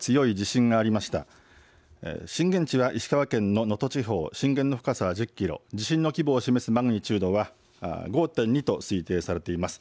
震源地は石川県の能登地方、震源の深さは１０キロ、地震の規模を示すマグニチュードは５．２と推定されています。